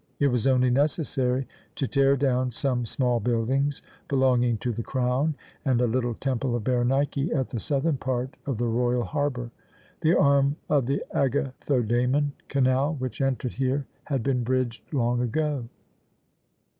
It was only necessary to tear down some small buildings belonging to the Crown and a little temple of Berenike at the southern part of the royal harbour. The arm of the Agathodæmon Canal which entered here had been bridged long ago.